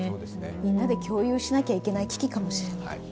みんなで共有しないといけない危機かもしれない。